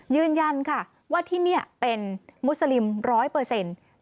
ยืนยันค่ะว่าที่นี่เป็นมุสลิมร้อยเปอร์เซ็นต์